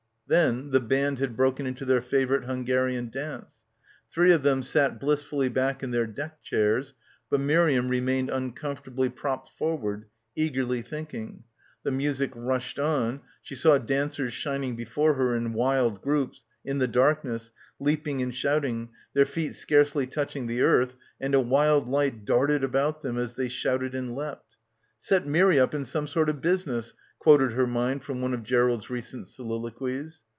Then the band had broken into their favourite Hungarian dance. Three of them sat blissfully back in their deck chairs, but Miriam remained uncomfortably propped forward, eagerly thinking. The music rushed on, she saw dancers shining before her in wild groups, in the darkness, leaping and shout ing, their feet scarcely touching the earth and a wild light darted about them as they shouted and leapt. "Set Mirry up in some sort 6f busi ness," quoted her mind from one of Gerald's re* cent soliloquies.